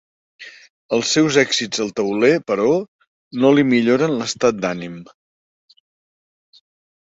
Els seus èxits al tauler, però, no li milloren l'estat d'ànim.